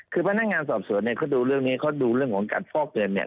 คือพนักงานสอบสวนเนี่ยเขาดูเรื่องนี้เขาดูเรื่องของการฟอกเงินเนี่ย